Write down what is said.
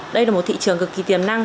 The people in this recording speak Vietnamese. đây là một thị trường cực kỳ tiềm năng